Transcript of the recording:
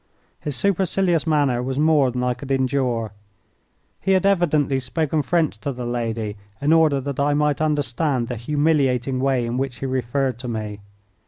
His supercilious manner was more than I could endure. He had evidently spoken French to the lady in order that I might understand the humiliating way in which he referred to me.